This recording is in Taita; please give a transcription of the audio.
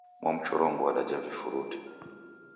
Mwamchorongo w'adaja vifurute